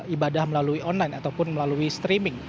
ibadah melalui online ataupun melalui streaming